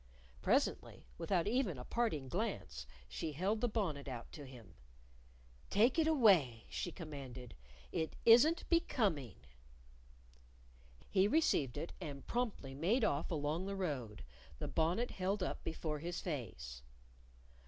Presently, without even a parting glance, she held the bonnet out to him. "Take it away," she commanded. "It isn't becoming." He received it; and promptly made off along the road, the bonnet held up before his face.